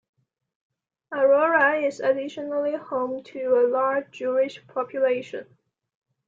Aurora is additionally home to a large Jewish population.